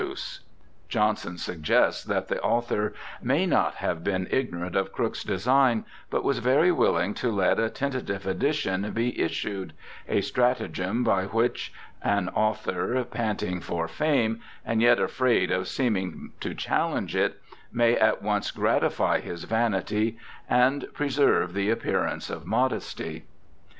s 2 26o BIOGRAPHICAL ESSAYS Johnson suggests that the author may not have been ignorant of Crooke's design, but was very willing to let a tentative edition be issued —' a stratagem by which an author panting for fame, and yet afraid of seeming to challenge it, may at once gratify his vanity and preser\^e the appearance of modesty'.